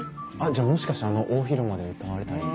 じゃあもしかしてあの大広間で歌われたりも？